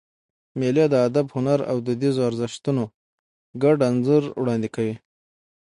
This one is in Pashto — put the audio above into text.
مېلې د ادب، هنر او دودیزو ارزښتونو ګډ انځور وړاندي کوي.